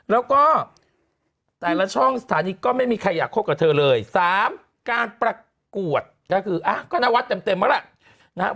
แล้วก็แต่ละช่องสถานีก็ไม่มีใครอยากคบกับเธอเลย๓การประกวดก็คืออ่ะก็นวัดเต็มแล้วล่ะนะฮะ